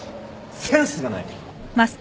センスがない。